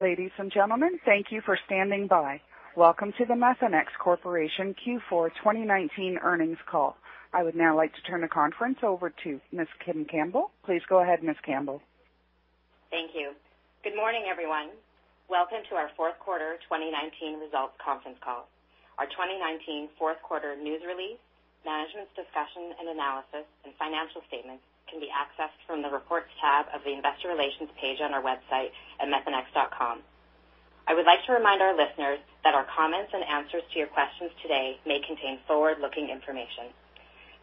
Ladies and gentlemen, thank you for standing by. Welcome to the Methanex Corporation Q4 2019 earnings call. I would now like to turn the conference over to Ms. Kim Campbell. Please go ahead, Ms. Campbell. Thank you. Good morning, everyone. Welcome to our fourth quarter 2019 results conference call. Our 2019 fourth quarter news release, Management's Discussion and Analysis, and financial statements can be accessed from the Reports tab of the Investor Relations page on our website at methanex.com. I would like to remind our listeners that our comments and answers to your questions today may contain forward-looking information.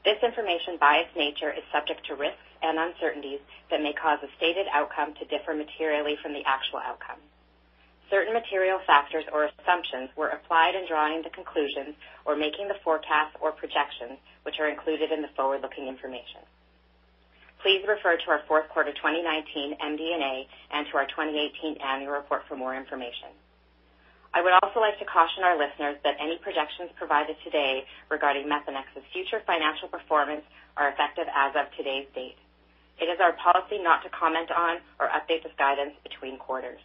This information, by its nature, is subject to risks and uncertainties that may cause the stated outcome to differ materially from the actual outcome. Certain material factors or assumptions were applied in drawing the conclusions or making the forecasts or projections, which are included in the forward-looking information. Please refer to our fourth quarter 2019 MD&A and to our 2018 annual report for more information. I would also like to caution our listeners that any projections provided today regarding Methanex's future financial performance are effective as of today's date. It is our policy not to comment on or update this guidance between quarters.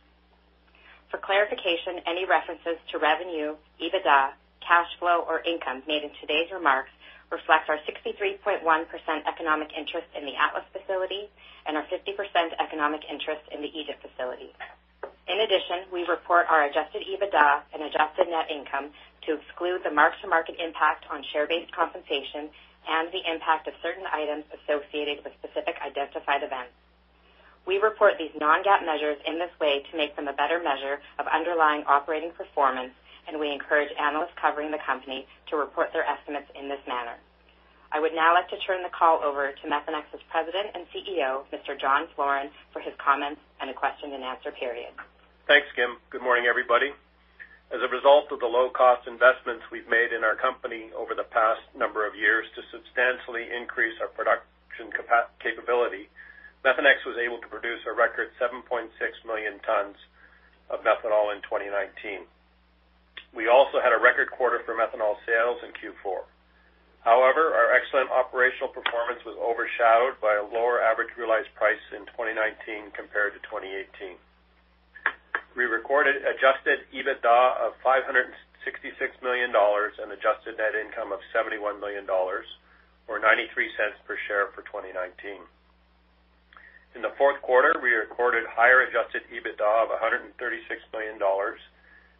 For clarification, any references to revenue, EBITDA, cash flow, or income made in today's remarks reflect our 63.1% economic interest in the Atlas facility and our 50% economic interest in the Egypt facility. In addition, we report our adjusted EBITDA and adjusted net income to exclude the mark-to-market impact on share-based compensation and the impact of certain items associated with specific identified events. We report these non-GAAP measures in this way to make them a better measure of underlying operating performance, and we encourage analysts covering the company to report their estimates in this manner. I would now like to turn the call over to Methanex's President and CEO, Mr. John Floren, for his comments and a question-and-answer period. Thanks, Kim. Good morning, everybody. As a result of the low-cost investments we've made in our company over the past number of years to substantially increase our production capability, Methanex was able to produce a record 7.6 million tons of methanol in 2019. We also had a record quarter for methanol sales in Q4. However, our excellent operational performance was overshadowed by a lower average realized price in 2019 compared to 2018. We recorded adjusted EBITDA of $566 million and adjusted net income of $71 million, or $0.93 per share for 2019. In the fourth quarter, we recorded higher adjusted EBITDA of $136 million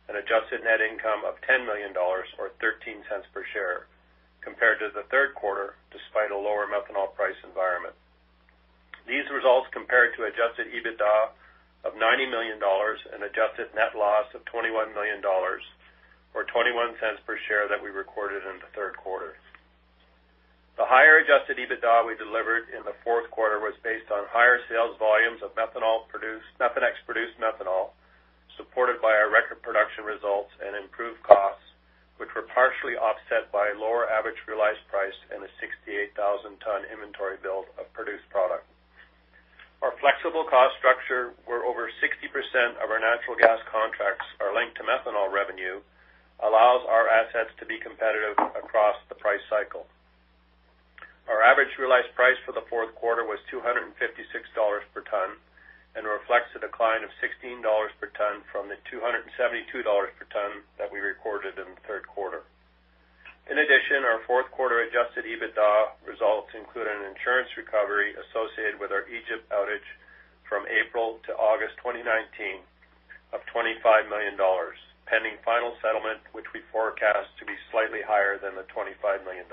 and adjusted net income of $10 million, or $0.13 per share, compared to the third quarter, despite a lower methanol price environment. These results compare to adjusted EBITDA of $90 million and adjusted net loss of $21 million, or $0.21 per share that we recorded in the third quarter. The higher adjusted EBITDA we delivered in the fourth quarter was based on higher sales volumes of Methanex-produced methanol, supported by our record production results and improved costs, which were partially offset by a lower average realized price and a 68,000-ton inventory build of produced product. Our flexible cost structure, where over 60% of our natural gas contracts are linked to methanol revenue, allows our assets to be competitive across the price cycle. Our average realized price for the fourth quarter was $256 per ton and reflects a decline of $16 per ton from the $272 per ton that we recorded in the third quarter. In addition, our fourth quarter adjusted EBITDA results include an insurance recovery associated with our Egypt outage from April to August 2019 of $25 million, pending final settlement, which we forecast to be slightly higher than the $25 million.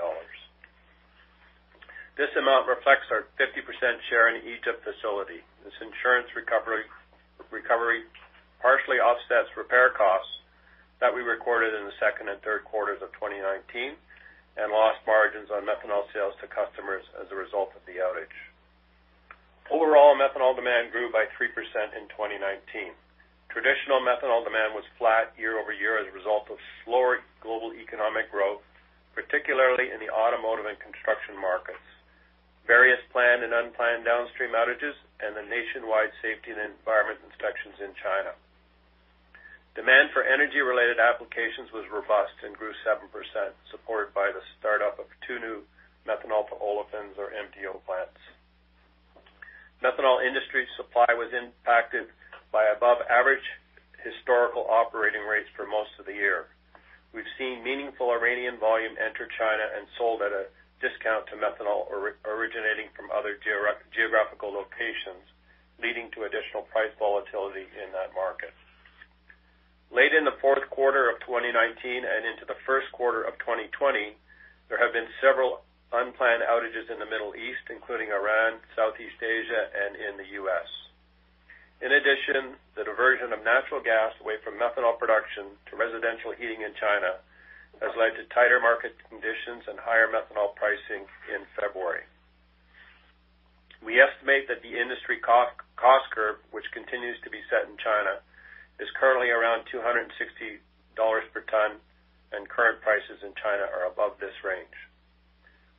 This amount reflects our 50% share in the Egypt facility. This insurance recovery partially offsets repair costs that we recorded in the second and third quarters of 2019 and lost margins on methanol sales to customers as a result of the outage. Overall, methanol demand grew by 3% in 2019. Traditional methanol demand was flat year-over-year as a result of slower global economic growth, particularly in the automotive and construction markets. Various planned and unplanned downstream outages and the nationwide safety and environment inspections in China. Demand for energy-related applications was robust and grew 7%, supported by the startup of two new methanol to olefins or MTO plants. Methanol industry supply was impacted by above-average historical operating rates for most of the year. We've seen meaningful Iranian volume enter China and sold at a discount to methanol originating from other geographical locations, leading to additional price volatility in that market. Late in the fourth quarter of 2019 and into the first quarter of 2020, there have been several unplanned outages in the Middle East, including Iran, Southeast Asia, and in the U.S. In addition, the diversion of natural gas away from methanol production to residential heating in China has led to tighter market conditions and higher methanol pricing in February. We estimate that the industry cost curve, which continues to be set in China, is currently around $260 per ton, and current prices in China are above this range.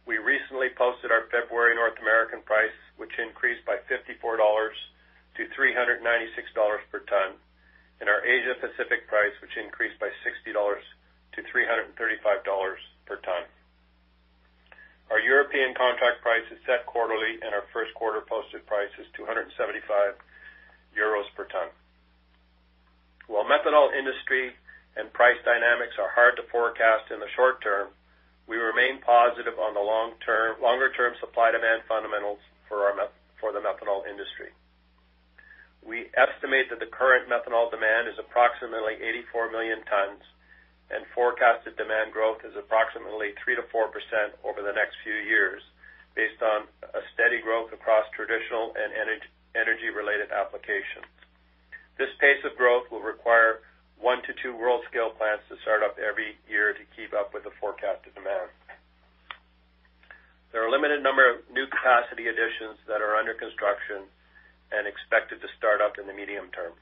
We recently posted our February North American price, which increased by $54 to $396 per ton, and our Asia Pacific price, which increased by $60 to $335. European contract price is set quarterly, and our first quarter posted price is €275 per ton. While methanol industry and price dynamics are hard to forecast in the short term, we remain positive on the longer-term supply-demand fundamentals for the methanol industry. We estimate that the current methanol demand is approximately 84 million tons, and forecasted demand growth is approximately 3%-4% over the next few years based on a steady growth across traditional and energy-related applications. This pace of growth will require one to two world-scale plants to start up every year to keep up with the forecasted demand. There are a limited number of new capacity additions that are under construction and expected to start up in the medium term.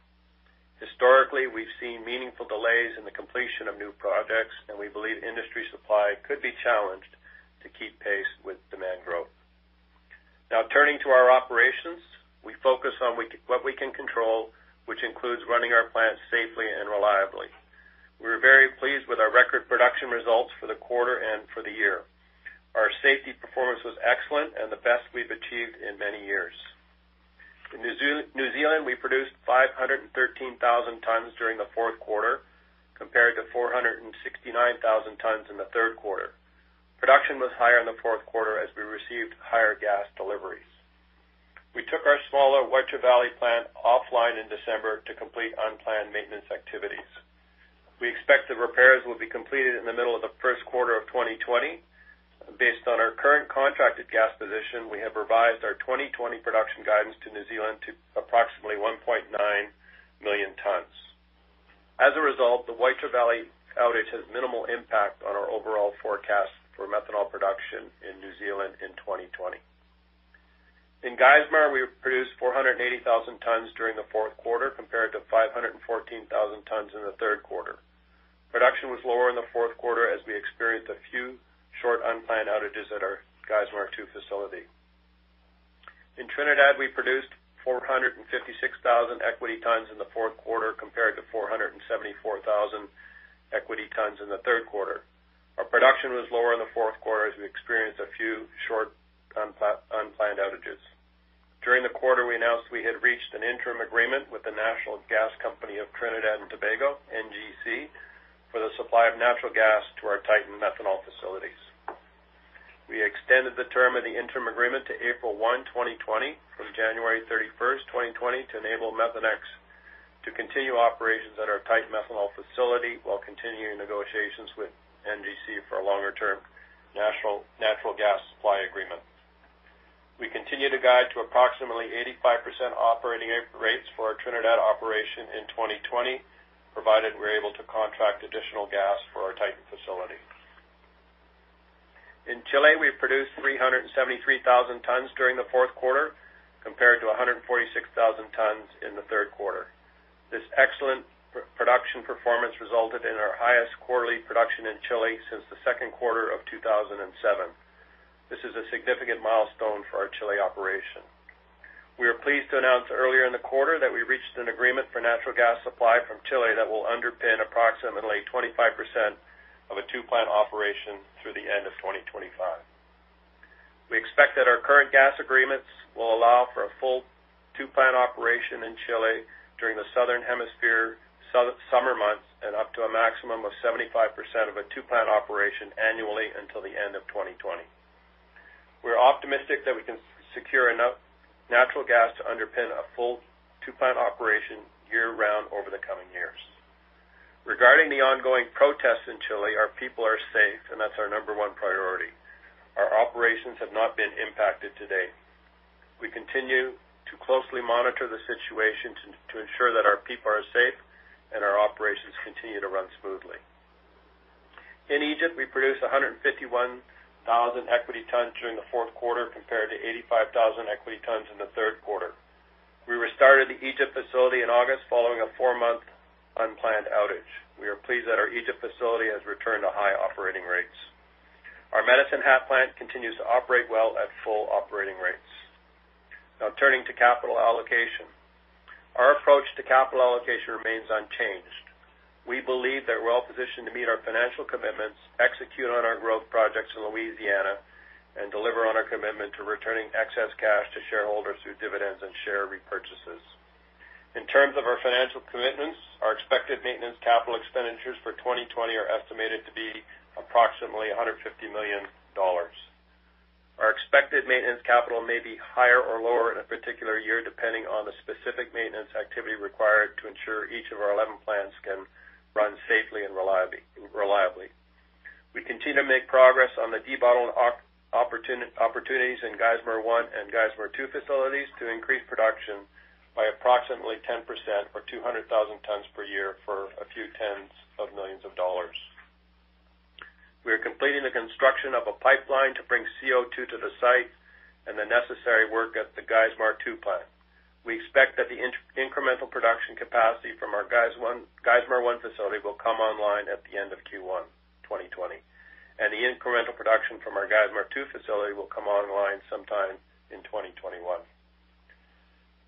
Historically, we've seen meaningful delays in the completion of new projects, and we believe industry supply could be challenged to keep pace with demand growth. Now turning to our operations. We focus on what we can control, which includes running our plants safely and reliably. We're very pleased with our record production results for the quarter and for the year. Our safety performance was excellent and the best we've achieved in many years. In New Zealand, we produced 513,000 tons during the fourth quarter, compared to 469,000 tons in the third quarter. Production was higher in the fourth quarter as we received higher gas deliveries. We took our smaller Waitara Valley plant offline in December to complete unplanned maintenance activities. We expect the repairs will be completed in the middle of the first quarter of 2020. Based on our current contracted gas position, we have revised our 2020 production guidance to New Zealand to approximately 1.9 million tons. As a result, the Waitara Valley outage has minimal impact on our overall forecast for methanol production in New Zealand in 2020. In Geismar, we produced 480,000 tons during the fourth quarter, compared to 514,000 tons in the third quarter. Production was lower in the fourth quarter as we experienced a few short unplanned outages at our Geismar 2 facility. In Trinidad, we produced 456,000 equity tons in the fourth quarter compared to 474,000 equity tons in the third quarter. Our production was lower in the fourth quarter as we experienced a few short unplanned outages. During the quarter, we announced we had reached an interim agreement with the National Gas Company of Trinidad and Tobago, NGC, for the supply of natural gas to our Titan methanol facilities. We extended the term of the interim agreement to April 1, 2020, from January 31, 2020, to enable Methanex to continue operations at our Titan methanol facility while continuing negotiations with NGC for a longer-term natural gas supply agreement. We continue to guide to approximately 85% operating rates for our Trinidad operation in 2020, provided we're able to contract additional gas for our Titan facility. In Chile, we produced 373,000 tons during the fourth quarter, compared to 146,000 tons in the third quarter. This excellent production performance resulted in our highest quarterly production in Chile since the second quarter of 2007. This is a significant milestone for our Chile operation. We were pleased to announce earlier in the quarter that we reached an agreement for natural gas supply from Chile that will underpin approximately 25% of a two-plant operation through the end of 2025. We expect that our current gas agreements will allow for a full two-plant operation in Chile during the Southern Hemisphere summer months and up to a maximum of 75% of a two-plant operation annually until the end of 2020. We're optimistic that we can secure enough natural gas to underpin a full two-plant operation year-round over the coming years. Regarding the ongoing protests in Chile, our people are safe, and that's our number one priority. Our operations have not been impacted to date. We continue to closely monitor the situation to ensure that our people are safe and our operations continue to run smoothly. In Egypt, we produced 151,000 equity tons during the fourth quarter, compared to 85,000 equity tons in the third quarter. We restarted the Egypt facility in August following a four-month unplanned outage. We are pleased that our Egypt facility has returned to high operating rates. Our Medicine Hat plant continues to operate well at full operating rates. Turning to capital allocation. Our approach to capital allocation remains unchanged. We believe that we're well positioned to meet our financial commitments, execute on our growth projects in Louisiana, and deliver on our commitment to returning excess cash to shareholders through dividends and share repurchases. In terms of our financial commitments, our expected maintenance capital expenditures for 2020 are estimated to be approximately $150 million. Our expected maintenance capital may be higher or lower in a particular year, depending on the specific maintenance activity required to ensure each of our 11 plants can run safely and reliably. We continue to make progress on the debottleneck opportunities in Geismar 1 and Geismar 2 facilities to increase production by approximately 10% or 200,000 tons per year for a few tens of millions of dollars. We are completing the construction of a pipeline to bring CO2 to the site and the necessary work at the Geismar 2 plant. We expect that the incremental production capacity from our Geismar 1 facility will come online at the end of Q1 2020, and the incremental production from our Geismar 2 facility will come online sometime in 2021.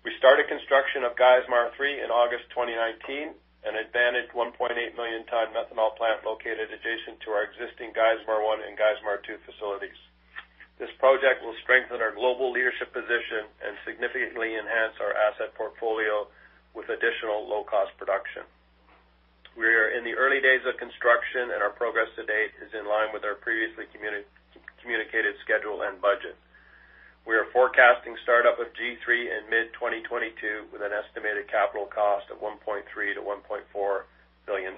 We started construction of Geismar 3 in August 2019, an advantaged 1.8 million ton methanol plant located adjacent to our existing Geismar 1 and Geismar 2 facilities. This project will strengthen our global leadership position and significantly enhance our asset portfolio with additional low-cost production. We are in the early days of construction, and our progress to date is in line with our previously communicated schedule and budget. We are forecasting startup of G3 in mid-2022 with an estimated capital cost of $1.3 billion-$1.4 billion.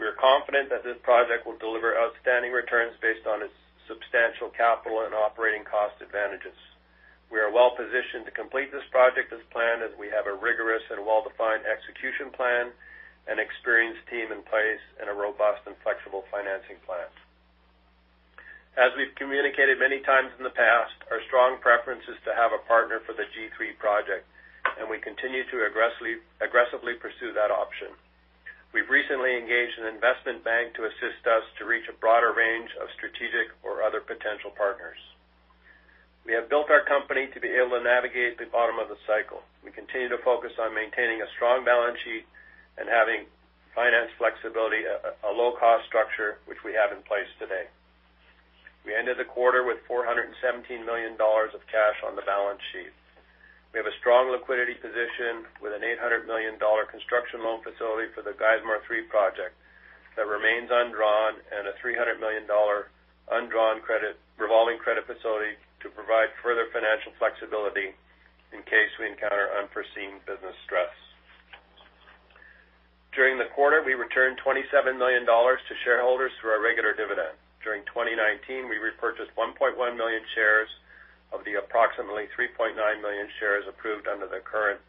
We are confident that this project will deliver outstanding returns based on its substantial capital and operating cost advantages. We are well-positioned to complete this project as planned, as we have a rigorous and well-defined execution plan, an experienced team in place, and a robust and flexible financing plan. As we've communicated many times in the past, our strong preference is to have a partner for the G3 project. We continue to aggressively pursue that option. We've recently engaged an investment bank to assist us to reach a broader range of strategic or other potential partners. We have built our company to be able to navigate the bottom of the cycle. We continue to focus on maintaining a strong balance sheet and having finance flexibility, a low-cost structure, which we have in place today. We ended the quarter with $417 million of cash on the balance sheet. We have a strong liquidity position with an $800 million construction loan facility for the Geismar 3 project that remains undrawn and a $300 million undrawn revolving credit facility to provide further financial flexibility in case we encounter unforeseen business stress. During the quarter, we returned $27 million to shareholders through our regular dividend. During 2019, we repurchased 1.1 million shares of the approximately 3.9 million shares approved under the current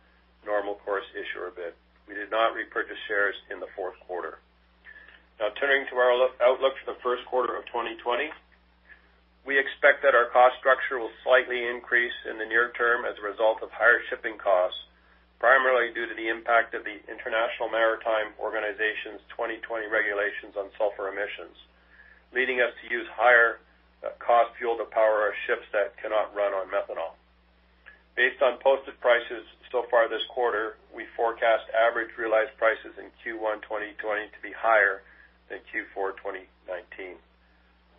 normal course issuer bid. We did not repurchase shares in the fourth quarter. Now turning to our outlook for the first quarter of 2020. We expect that our cost structure will slightly increase in the near term as a result of higher shipping costs, primarily due to the impact of the International Maritime Organization's 2020 regulations on sulfur emissions, leading us to use higher cost fuel to power our ships that cannot run on methanol. Based on posted prices so far this quarter, we forecast average realized prices in Q1 2020 to be higher than Q4 2019.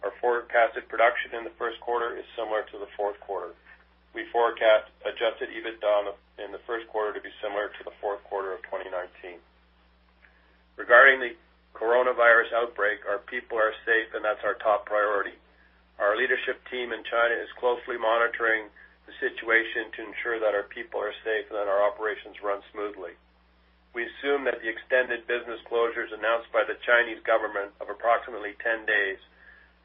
Our forecasted production in the first quarter is similar to the fourth quarter. We forecast adjusted EBITDA in the first quarter to be similar to the fourth quarter of 2019. Regarding the coronavirus outbreak, our people are safe, and that's our top priority. Our leadership team in China is closely monitoring the situation to ensure that our people are safe and that our operations run smoothly. We assume that the extended business closures announced by the Chinese government of approximately 10 days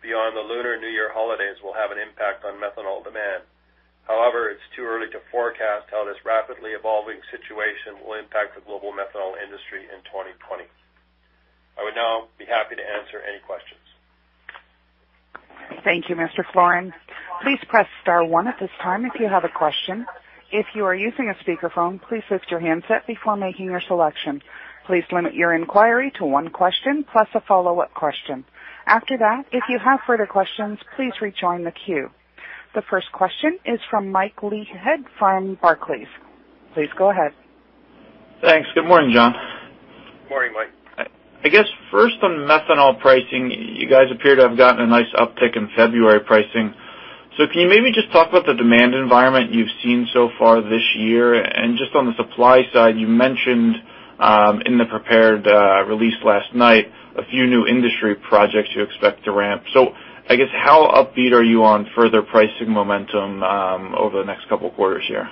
beyond the Lunar New Year holidays will have an impact on methanol demand. It's too early to forecast how this rapidly evolving situation will impact the global methanol industry in 2020. I would now be happy to answer any questions. Thank you, Mr. Floren. Please press star one at this time if you have a question. If you are using a speakerphone, please lift your handset before making your selection. Please limit your inquiry to one question plus a follow-up question. After that, if you have further questions, please rejoin the queue. The first question is from Mike Leithead from Barclays. Please go ahead. Thanks. Good morning, John. Good morning, Mike. I guess first on methanol pricing, you guys appear to have gotten a nice uptick in February pricing. Can you maybe just talk about the demand environment you've seen so far this year? Just on the supply side, you mentioned in the prepared release last night a few new industry projects you expect to ramp. I guess how upbeat are you on further pricing momentum over the next couple quarters here?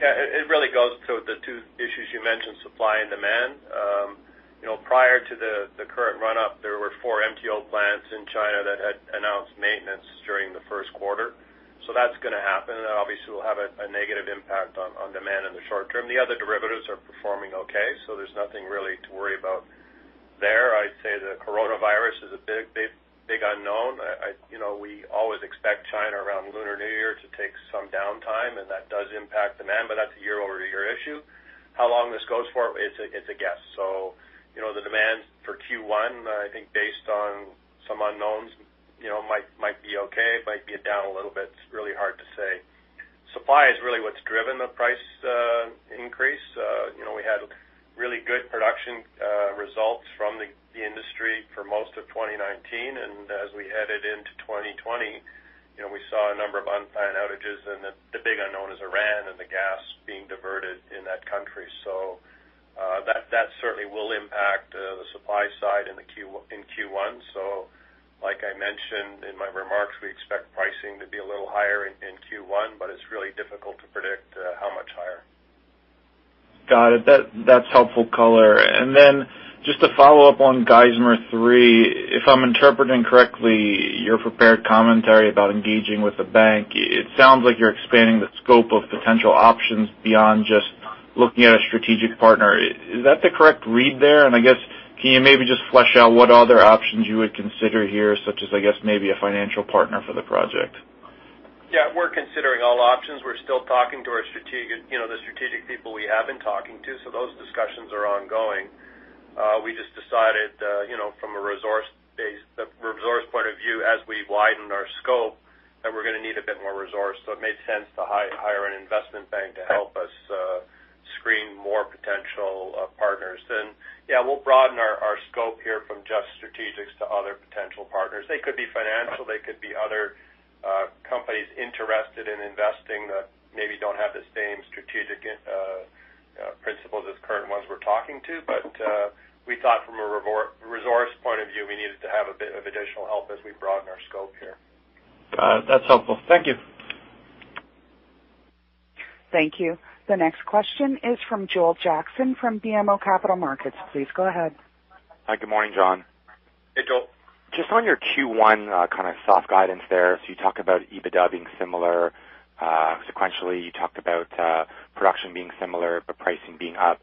Yeah. It really goes to the two issues you mentioned, supply and demand. Prior to the current run-up, there were four MTO plants in China that had announced maintenance during the first quarter. That's going to happen. That obviously will have a negative impact on demand in the short term. The other derivatives are performing okay, so there's nothing really to worry about there. I'd say the coronavirus is a big unknown. We always expect China around Lunar New Year to take some downtime, and that does impact demand, but that's a year-over-year issue. How long this goes for, it's a guess. The demand for Q1, I think based on some unknowns, might be okay, might be down a little bit. It's really hard to say. Supply is really what's driven the price increase. We had really good production results from the industry for most of 2019. As we headed into 2020, we saw a number of unplanned outages, and the big unknown is Iran and the gas being diverted in that country. That certainly will impact the supply side in Q1. Like I mentioned in my remarks, we expect pricing to be a little higher in Q1, but it's really difficult to predict how much higher. Got it. That's helpful color. Just to follow up on Geismar 3. If I'm interpreting correctly your prepared commentary about engaging with the bank, it sounds like you're expanding the scope of potential options beyond just looking at a strategic partner. Is that the correct read there? I guess, can you maybe just flesh out what other options you would consider here, such as, I guess, maybe a financial partner for the project? Yeah. We're considering all options. We're still talking to the strategic people we have been talking to. Those discussions are ongoing. We just decided from a resource, as we widen our scope, that we're going to need a bit more resource. It made sense to hire an investment bank to help us screen more potential partners. Yeah, we'll broaden our scope here from just strategics to other potential partners. They could be financial, they could be other companies interested in investing that maybe don't have the same strategic principles as current ones we're talking to. We thought from a resource point of view, we needed to have a bit of additional help as we broaden our scope here. That's helpful. Thank you. Thank you. The next question is from Joel Jackson from BMO Capital Markets. Please go ahead. Hi. Good morning, John. Hey, Joel. Just on your Q1 kind of soft guidance there, you talk about EBITDA being similar. Sequentially, you talked about production being similar, but pricing being up.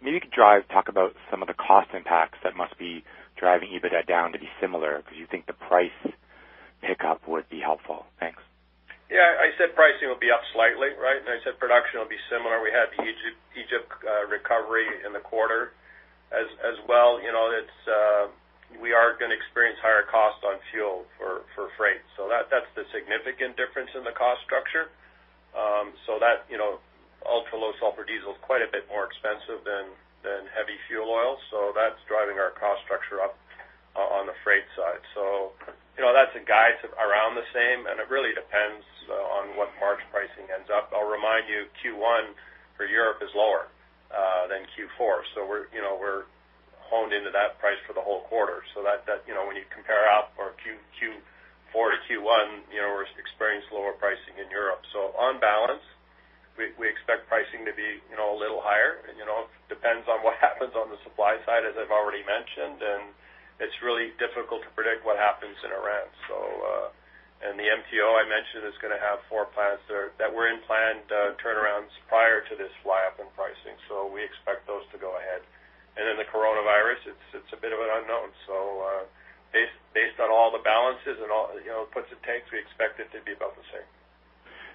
Maybe you could talk about some of the cost impacts that must be driving EBITDA down to be similar, because you think the price pickup would be helpful. Thanks. Yeah, I said pricing will be up slightly, right? I said production will be similar. We had the Egypt recovery in the quarter as well. We are going to experience higher costs on fuel for freight. That's the significant difference in the cost structure. Ultra-low sulfur diesel is quite a bit more expensive than heavy fuel oil. That's driving our cost structure up on the freight side. That's a guide around the same, and it really depends on what March pricing ends up. I'll remind you, Q1 for Europe is lower than Q4, so we're honed into that price for the whole quarter. When you compare Q4 to Q1, we're experiencing lower pricing in Europe. On balance, we expect pricing to be a little higher. It depends on what happens on the supply side, as I've already mentioned, and it's really difficult to predict what happens in Iran. The MTO I mentioned is going to have four plants that were in planned turnarounds prior to this fly-up in pricing. We expect those to go ahead. Then the coronavirus, it's a bit of an unknown. Based on all the balances and all the puts and takes, we expect it to be about the same.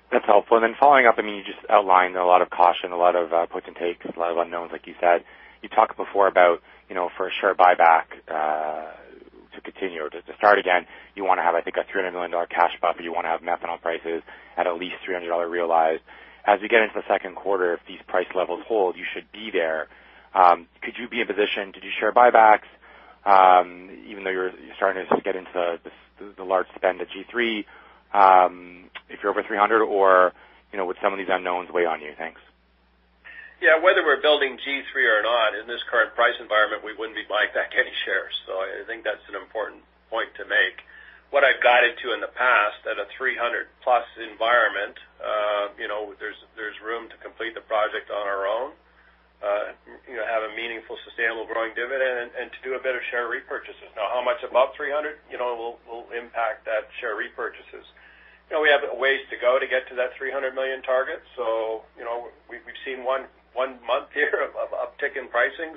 That's helpful. Following up, you just outlined a lot of caution, a lot of puts and takes, a lot of unknowns, like you said. You talked before about for a share buyback to continue or to start again, you want to have, I think, a $300 million cash buffer. You want to have methanol prices at least $300 realized. As we get into the second quarter, if these price levels hold, you should be there. Could you be in a position to do share buybacks even though you're starting to get into the large spend of G3 if you're over $300? Would some of these unknowns weigh on you? Thanks. Yeah. Whether we're building G3 or not, in this current price environment, we wouldn't be buying back any shares. I think that's an important point to make. What I've guided to in the past, at a 300+ environment, there's room to complete the project on our own, have a meaningful, sustainable growing dividend, and to do a bit of share repurchases. Now, how much above 300 will impact that share repurchases? We have a ways to go to get to that $300 million target. We've seen one month here of uptick in pricing.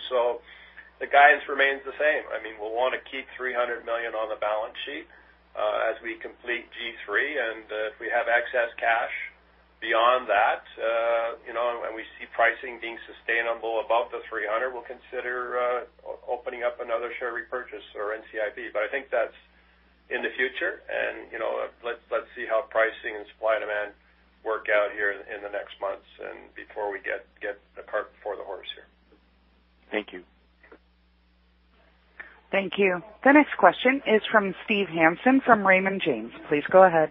The guidance remains the same. We'll want to keep $300 million on the balance sheet as we complete G3. If we have excess cash beyond that, and we see pricing being sustainable above the 300, we'll consider opening up another share repurchase or NCIB. I think that's in the future. Let's see how pricing and supply and demand work out here in the next months and before we get the cart before the horse here. Thank you. Thank you. The next question is from Steve Hansen from Raymond James. Please go ahead.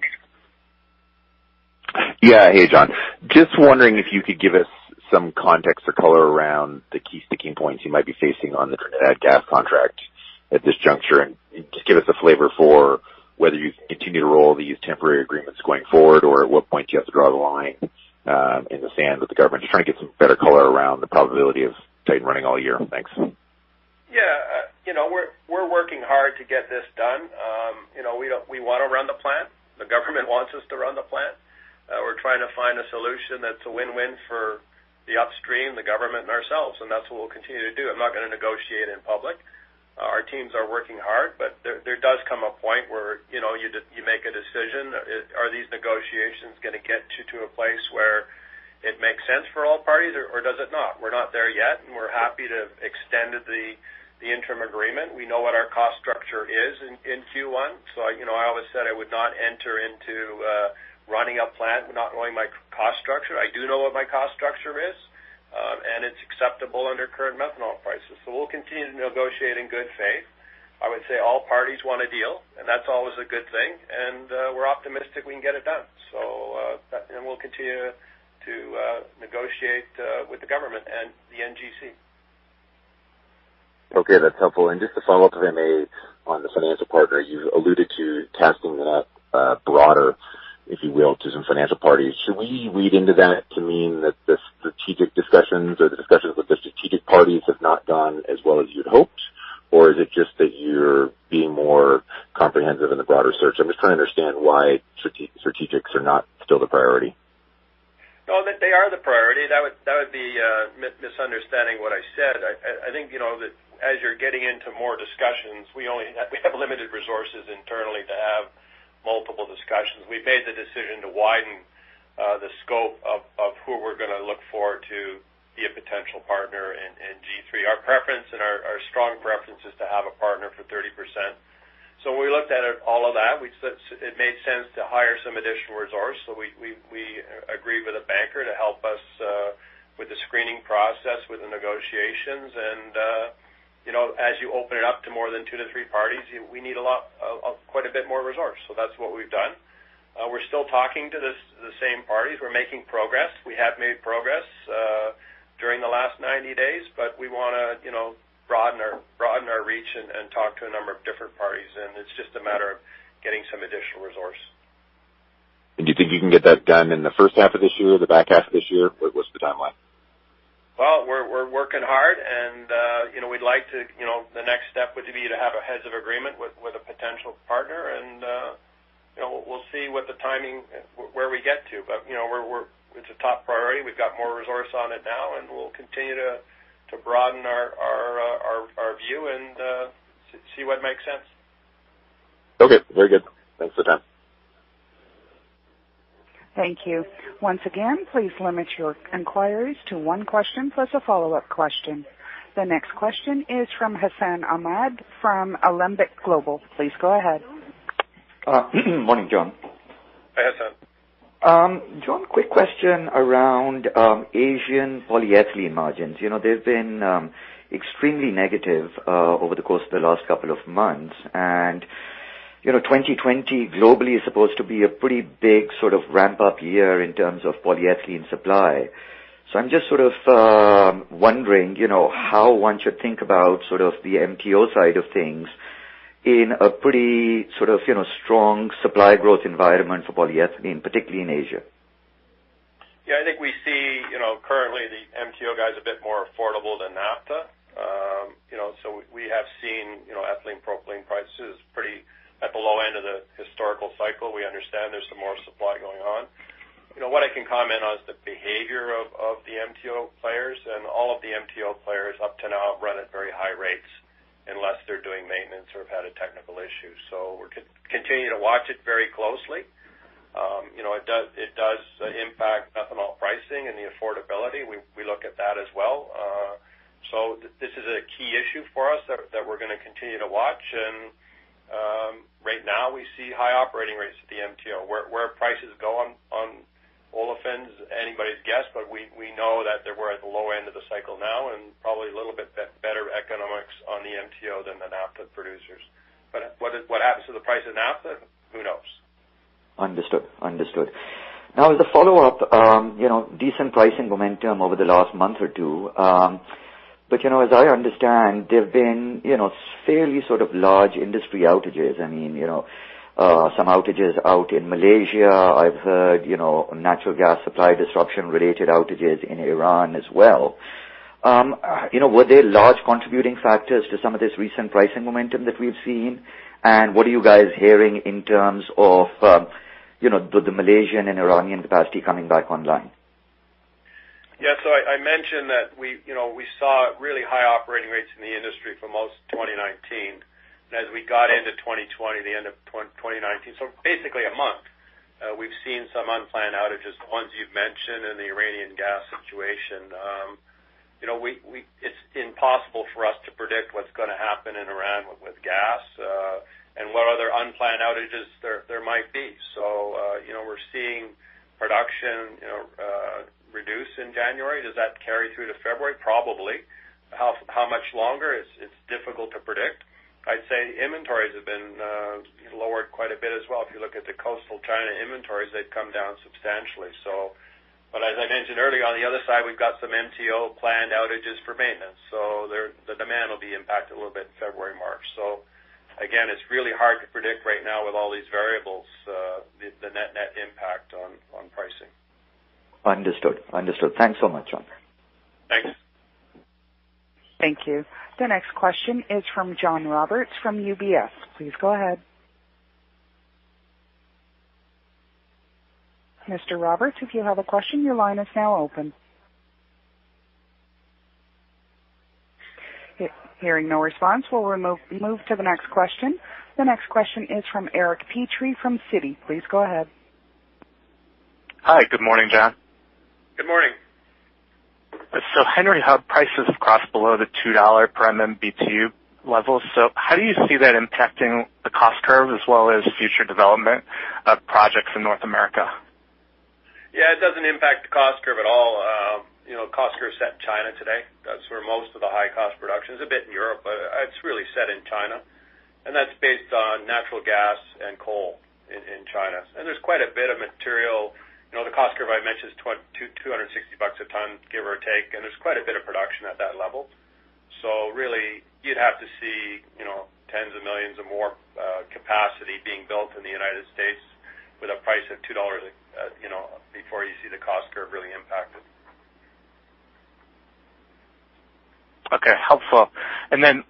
Yeah. Hey, John. Just wondering if you could give us some context or color around the key sticking points you might be facing on the Trinidad gas contract at this juncture, and just give us a flavor for whether you continue to roll these temporary agreements going forward, or at what point do you have to draw the line in the sand with the government? Just trying to get some better color around the probability of it running all year. Thanks. Yeah. We're working hard to get this done. We want to run the plant. The government wants us to run the plant. We're trying to find a solution that's a win-win for the upstream, the government, and ourselves, and that's what we'll continue to do. I'm not going to negotiate in public. Our teams are working hard. There does come a point where you make a decision. Are these negotiations going to get to a place where it makes sense for all parties, or does it not? We're not there yet. We're happy to extend the interim agreement. We know what our cost structure is in Q1. I always said I would not enter into running a plant not knowing my cost structure. I do know what my cost structure is. It's acceptable under current methanol prices. We'll continue to negotiate in good faith. I would say all parties want a deal, and that's always a good thing. We're optimistic we can get it done. We'll continue to negotiate with the government and the NGC. Okay, that's helpful. Just a follow-up if I may, on the financial partner. You alluded to casting the net broader, if you will, to some financial parties. Should we read into that to mean that the strategic discussions or the discussions with the strategic parties have not gone as well as you'd hoped? Is it just that you're being more comprehensive in the broader search? I'm just trying to understand why strategics are not still the priority. No, they are the priority. That would be misunderstanding what I said. I think that as you're getting into more discussions, we have limited resources internally to have multiple discussions. We've made the decision to widen the scope of who we're going to look for to be a potential partner in G3. Our preference and our strong preference is to have a partner for 30%. When we looked at all of that, it made sense to hire some additional resource. We agreed with a banker to help us with the screening process, with the negotiations, and as you open it up to more than two to three parties, we need quite a bit more resource. That's what we've done. We're still talking to the same parties. We're making progress. We have made progress during the last 90 days, but we want to broaden our reach and talk to a number of different parties, and it's just a matter of getting some additional resource. Do you think you can get that done in the first half of this year or the back half of this year? What's the timeline? Well, we're working hard and the next step would be to have a heads of agreement with a potential partner, and we'll see what the timing, where we get to. It's a top priority. We've got more resource on it now, and we'll continue to broaden our view and see what makes sense. Okay. Very good. Thanks for the time. Thank you. Once again, please limit your inquiries to one question plus a follow-up question. The next question is from Hassan Ahmed from Alembic Global. Please go ahead. Morning, John. Hi, Hassan. John, quick question around Asian polyethylene margins. They've been extremely negative over the course of the last couple of months. 2020 globally is supposed to be a pretty big sort of ramp-up year in terms of polyethylene supply. I'm just sort of wondering how one should think about sort of the MTO side of things in a pretty strong supply growth environment for polyethylene, particularly in Asia. I think we see currently the MTO players a bit more affordable than naphtha. We have seen ethylene propylene prices pretty at the low end of the historical cycle. We understand there's some more supply going on. What I can comment on is the behavior of the MTO players and all of the MTO players up to now have run at very high rates unless they're doing maintenance or have had a technical issue. We're continuing to watch it very closely. It does impact methanol pricing and the affordability. We look at that as well. This is a key issue for us that we're going to continue to watch, and right now, we see high operating rates at the MTO. Where prices go on olefins is anybody's guess. We know that we're at the low end of the cycle now and probably a little bit better economics on the MTO than the naphtha producers. What happens to the price of naphtha? Who knows? Understood. As a follow-up, decent pricing momentum over the last month or two. As I understand, there have been fairly sort of large industry outages. I mean, some outages out in Malaysia. I've heard natural gas supply disruption-related outages in Iran as well. Were they large contributing factors to some of this recent pricing momentum that we've seen? What are you guys hearing in terms of the Malaysian and Iranian capacity coming back online? Yeah. I mentioned that we saw really high operating rates in the industry for most of 2019. As we got into 2020, the end of 2019, so basically a month, we've seen some unplanned outages, the ones you've mentioned in the Iranian gas situation. It's impossible for us to predict what's going to happen in Iran with gas. What other unplanned outages there might be. We're seeing production reduce in January. Does that carry through to February? Probably. How much longer? It's difficult to predict. I'd say inventories have been lowered quite a bit as well. If you look at the coastal China inventories, they've come down substantially. As I mentioned earlier, on the other side, we've got some MTO planned outages for maintenance. The demand will be impacted a little bit February, March. Again, it's really hard to predict right now with all these variables, the net impact on pricing. Understood. Thanks so much, John. Thanks. Thank you. The next question is from John Roberts from UBS. Please go ahead. Mr. Roberts, if you have a question, your line is now open. Hearing no response, we will move to the next question. The next question is from Eric Petrie from Citi. Please go ahead. Hi, good morning, John. Good morning. Henry Hub prices have crossed below the $2 per MMBtu level. How do you see that impacting the cost curve as well as future development of projects in North America? Yeah, it doesn't impact the cost curve at all. Cost curve's set in China today. That's where most of the high-cost production is. A bit in Europe, it's really set in China. That's based on natural gas and coal in China. There's quite a bit of material. The cost curve I mentioned is $260 a ton, give or take, there's quite a bit of production at that level. Really, you'd have to see tens of millions of more capacity being built in the United States with a price of $2 before you see the cost curve really impacted. Okay. Helpful.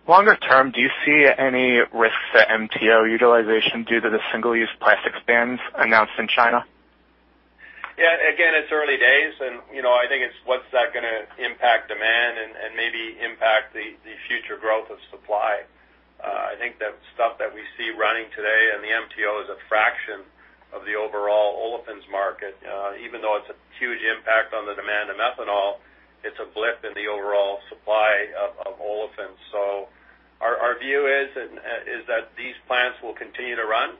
Longer term, do you see any risks to MTO utilization due to the single-use plastic bans announced in China? Yeah. Again, it's early days, and I think it's what's that going to impact demand and maybe impact the future growth of supply. I think that stuff that we see running today in the MTO is a fraction of the overall olefins market. Even though it's a huge impact on the demand of methanol, it's a blip in the overall supply of olefins. Our view is that these plants will continue to run.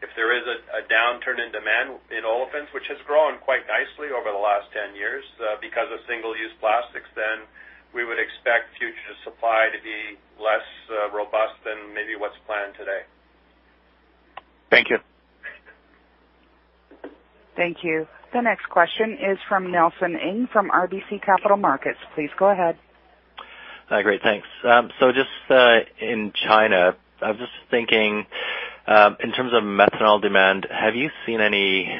If there is a downturn in demand in olefins, which has grown quite nicely over the last 10 years because of single-use plastics, then we would expect future supply to be less robust than maybe what's planned today. Thank you. Thank you. The next question is from Nelson Ng from RBC Capital Markets. Please go ahead. Great, thanks. Just in China, I was just thinking, in terms of methanol demand, have you seen any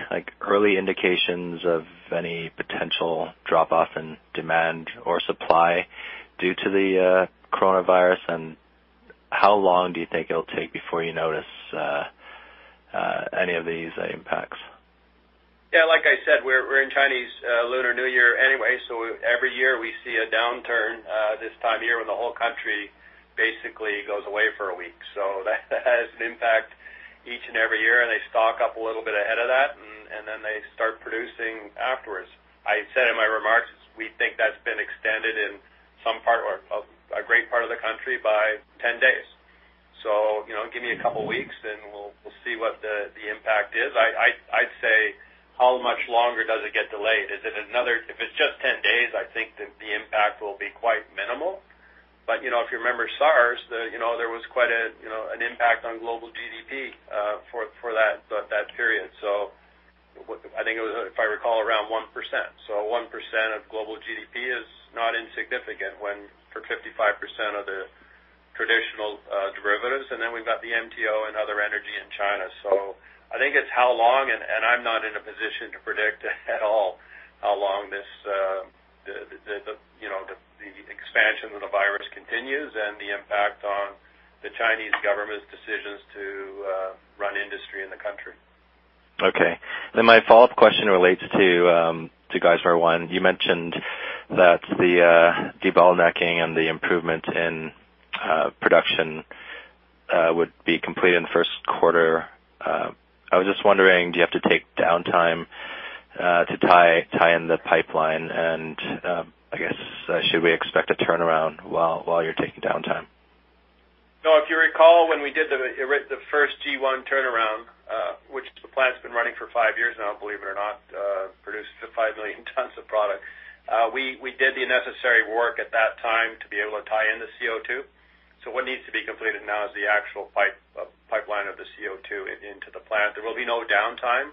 early indications of any potential drop-off in demand or supply due to the coronavirus? How long do you think it'll take before you notice any of these impacts? Like I said, we're in Lunar New Year anyway, every year we see a downturn this time of year when the whole country basically goes away for a week. That has an impact each and every year, they stock up a little bit ahead of that, they start producing afterwards. I said in my remarks, we think that's been extended in some part or a great part of the country by 10 days. Give me a couple of weeks, we'll see what the impact is. I'd say how much longer does it get delayed? If it's just 10 days, I think that the impact will be quite minimal. If you remember SARS, there was quite an impact on global GDP for that period. I think it was, if I recall, around 1%. 1% of global GDP is not insignificant when for 55% of the traditional derivatives, and then we've got the MTO and other energy in China. I think it's how long, and I'm not in a position to predict at all how long the expansion of the virus continues and the impact on the Chinese government's decisions to run industry in the country. Okay. My follow-up question relates to Geismar 1. You mentioned that the debottlenecking and the improvement in production would be completed in the first quarter. I was just wondering, do you have to take downtime to tie in the pipeline? I guess, should we expect a turnaround while you're taking downtime? No. If you recall, when we did the first G1 turnaround, which the plant's been running for five years now, believe it or not, produced 5 million tons of product. We did the necessary work at that time to be able to tie in the CO2. What needs to be completed now is the actual pipeline of the CO2 into the plant. There will be no downtime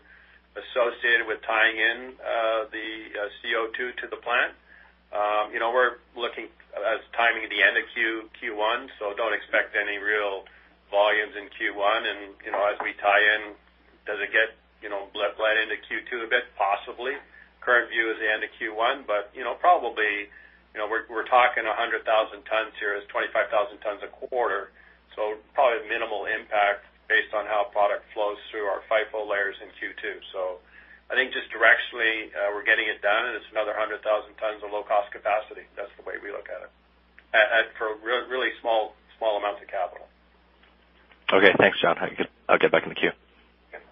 associated with tying in the CO2 to the plant. We're looking as timing at the end of Q1. Don't expect any real volumes in Q1. As we tie in, does it get bled right into Q2 a bit? Possibly. Current view is the end of Q1. Probably, we're talking 100,000 tons here. It's 25,000 tons a quarter. Probably minimal impact based on how product flows through our FIFO layers in Q2. I think just directionally, we're getting it done, and it's another 100,000 tons of low-cost capacity. That's the way we look at it. For really small amounts of capital. Okay. Thanks, John. I'll get back in the queue. Okay.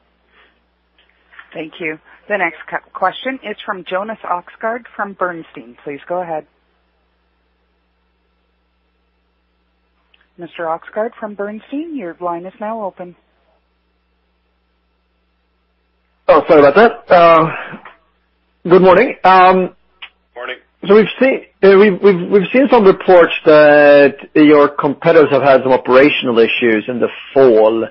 Thank you. The next question is from Jonas Oxgaard from Bernstein. Please go ahead. Mr. Oxgaard from Bernstein, your line is now open. Oh, sorry about that. Good morning. Morning. We've seen some reports that your competitors have had some operational issues in the fall.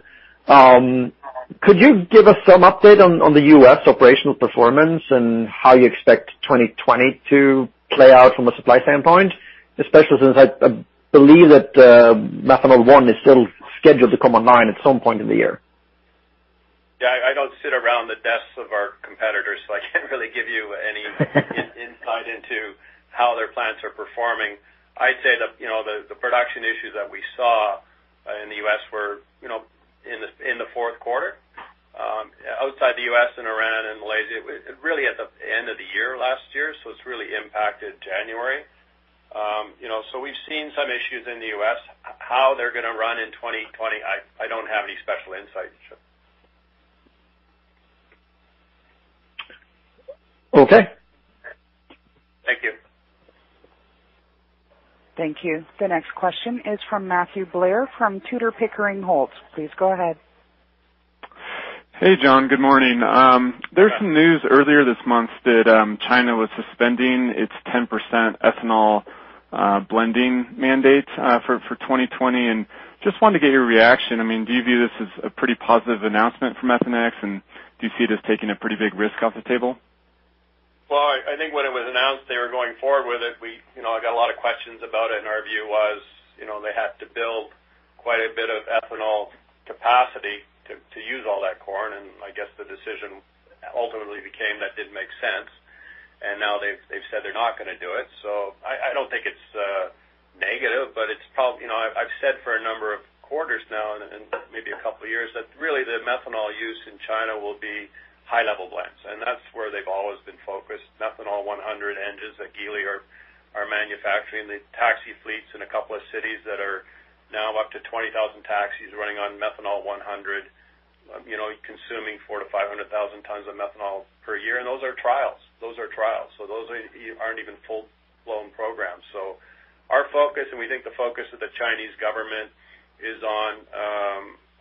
Could you give us some update on the U.S. operational performance and how you expect 2020 to play out from a supply standpoint? Especially since I believe that Liberty One is still scheduled to come online at some point in the year. Yeah, I don't sit around the desks of our competitors, so I can't really give you any insight into how their plants are performing. I'd say the production issues that we saw in the U.S. were in the fourth quarter. Outside the U.S. and Iran and Malaysia, really at the end of the year last year. It's really impacted January. We've seen some issues in the U.S. How they're going to run in 2020, I don't have any special insight. Okay. Thank you. Thank you. The next question is from Matthew Blair from Tudor, Pickering, Holt. Please go ahead. Hey, John. Good morning. Yeah. There's some news earlier this month that China was suspending its 10% ethanol blending mandate for 2020. Just wanted to get your reaction. Do you view this as a pretty positive announcement from Methanex, and do you see this taking a pretty big risk off the table? Well, I think when it was announced they were going forward with it, I got a lot of questions about it. Our view was they had to build quite a bit of ethanol capacity to use all that corn. I guess the decision ultimately became that didn't make sense. Now they've said they're not going to do it. I don't think it's negative. I've said for a number of quarters now and maybe a couple of years that really the methanol use in China will be high-level blends. That's where they've always been focused. Methanol 100 engines at Geely are manufacturing the taxi fleets in a couple of cities that are now up to 20,000 taxis running on methanol 100, consuming 400,000 to 500,000 tons of methanol per year. Those are trials. Those aren't even full-blown programs. Our focus, and we think the focus of the Chinese government, is on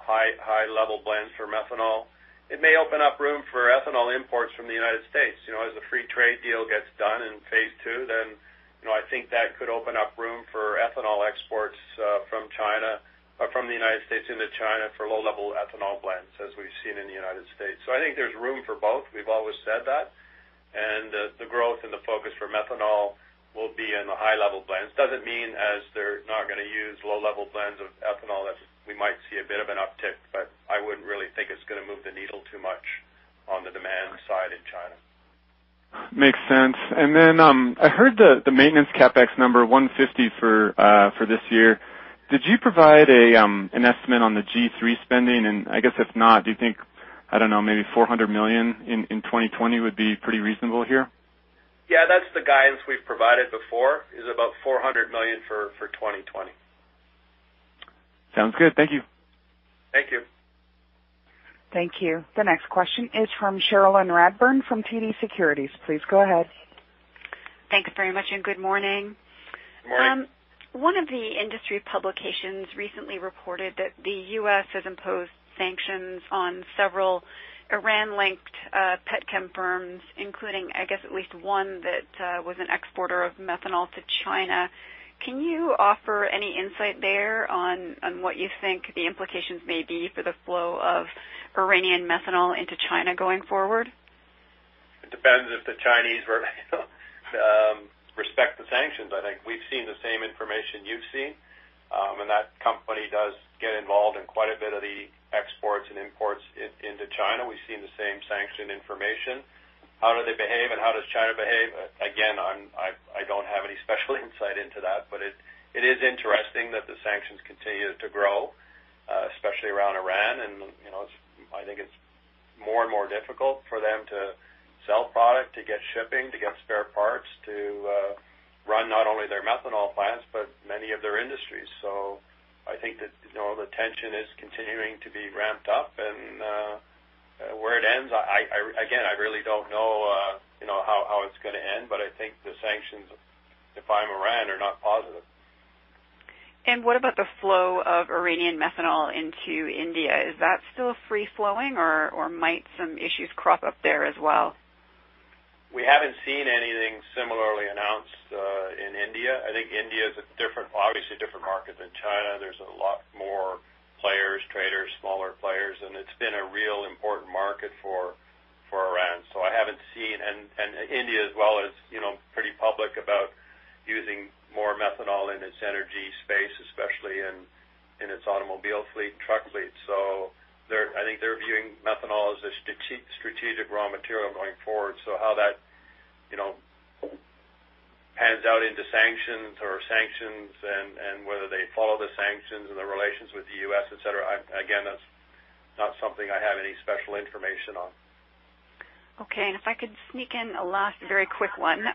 high-level blends for methanol. It may open up room for ethanol imports from the U.S. As the free trade deal gets done in phase II, I think that could open up room for ethanol exports from the U.S. into China for low-level ethanol blends, as we've seen in the U.S. I think there's room for both. We've always said that. The growth and the focus for methanol will be in the high-level blends. Doesn't mean they're not going to use low-level blends of ethanol. We might see a bit of an uptick, but I wouldn't really think it's going to move the needle too much on the demand side in China. Makes sense. I heard the maintenance CapEx number $150 for this year. Did you provide an estimate on the G3 spending? I guess if not, do you think, I don't know, maybe $400 million in 2020 would be pretty reasonable here? Yeah, that's the guidance we've provided before, is about $400 million for 2020. Sounds good. Thank you. Thank you. Thank you. The next question is from Cherilyn Radbourne from TD Securities. Please go ahead. Thanks very much, and good morning. Morning. One of the industry publications recently reported that the U.S. has imposed sanctions on several Iran-linked pet chem firms, including, I guess, at least one that was an exporter of methanol to China. Can you offer any insight there on what you think the implications may be for the flow of Iranian methanol into China going forward? It depends if the Chinese respect the sanctions. I think we've seen the same information you've seen. That company does get involved in quite a bit of the exports and imports into China. We've seen the same sanction information. How do they behave, and how does China behave? Again, I don't have any special insight into that. It is interesting that the sanctions continue to grow, especially around Iran. I think it's more and more difficult for them to sell product, to get shipping, to get spare parts, to run not only their methanol plants, but many of their industries. I think that the tension is continuing to be ramped up. Where it ends, again, I really don't know how it's going to end. I think the sanctions, if I'm Iran, are not positive. What about the flow of Iranian methanol into India? Is that still free-flowing, or might some issues crop up there as well? We haven't seen anything similarly announced in India. I think India's obviously a different market than China. There's a lot more players, traders, smaller players, and it's been a real important market for Iran. India as well is pretty public about using more methanol in its energy space, especially in its automobile fleet and truck fleet. I think they're viewing methanol as a strategic raw material going forward. How that pans out into sanctions, and whether they follow the sanctions and their relations with the U.S., et cetera, again, that's not something I have any special information on. Okay. If I could sneak in a last very quick one.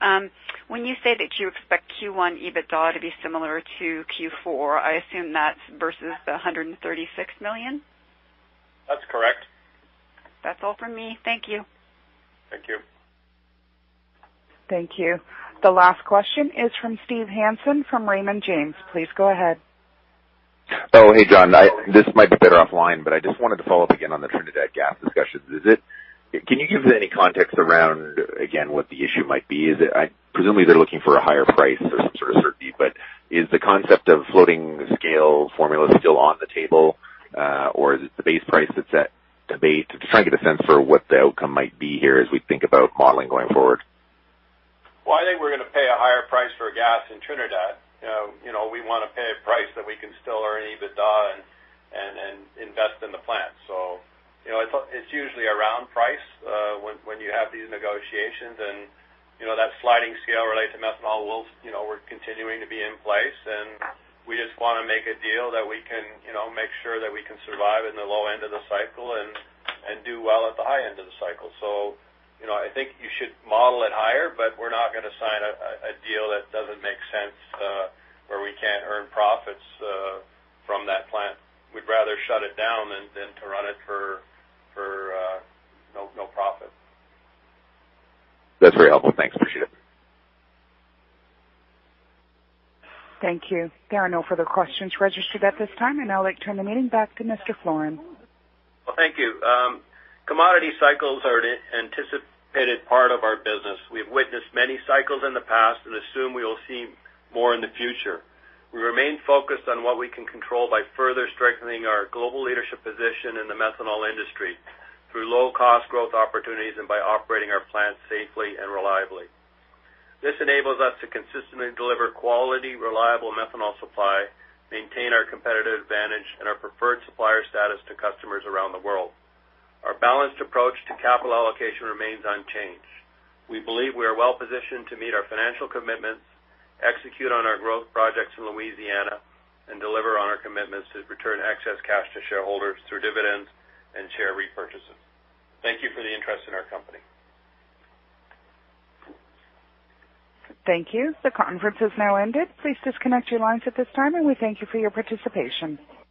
When you say that you expect Q1 EBITDA to be similar to Q4, I assume that's versus the $136 million? That's correct. That's all from me. Thank you. Thank you. Thank you. The last question is from Steve Hansen from Raymond James. Please go ahead. Oh, hey, John. This might be better offline, but I just wanted to follow up again on the Trinidad gas discussions. Can you give any context around, again, what the issue might be? Presumably they're looking for a higher price or some sort of certainty. Is the concept of floating scale formula still on the table? Is it the base price that's at debate? Just trying to get a sense for what the outcome might be here as we think about modeling going forward. Well, I think we're going to pay a higher price for gas in Trinidad. We want to pay a price that we can still earn EBITDA and invest in the plant. It's usually around price when you have these negotiations. That sliding scale related to methanol, we're continuing to be in place, and we just want to make a deal that we can make sure that we can survive in the low end of the cycle and do well at the high end of the cycle. I think you should model it higher, but we're not going to sign a deal that doesn't make sense where we can't earn profits from that plant. We'd rather shut it down than to run it for no profit. That's very helpful. Thanks. Appreciate it. Thank you. There are no further questions registered at this time, and I'd like to turn the meeting back to Mr. Floren. Well, thank you. Commodity cycles are an anticipated part of our business. We've witnessed many cycles in the past and assume we will see more in the future. We remain focused on what we can control by further strengthening our global leadership position in the methanol industry through low-cost growth opportunities and by operating our plants safely and reliably. This enables us to consistently deliver quality, reliable methanol supply, maintain our competitive advantage, and our preferred supplier status to customers around the world. Our balanced approach to capital allocation remains unchanged. We believe we are well-positioned to meet our financial commitments, execute on our growth projects in Louisiana, and deliver on our commitments to return excess cash to shareholders through dividends and share repurchases. Thank you for the interest in our company. Thank you. The conference has now ended. Please disconnect your lines at this time, and we thank you for your participation.